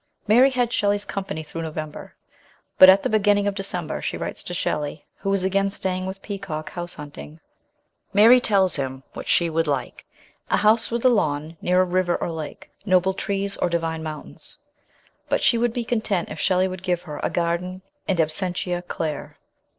Mary had Shelley's company through November, but at the beginning of December she writes to Shelley, who is again staying with Peacock house hunting. Mary tells him what she would like :" A house (with a lawn) near a river or lake, noble trees, or divine mountains "; but she would be content if Shelley would give her " a garden and absentia Claire."